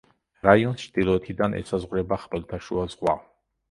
რაიონს ჩრდილოეთიდან ესაზღვრება ხმელთაშუა ზღვა.